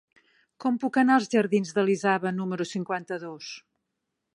Com puc anar als jardins d'Elisava número cinquanta-dos?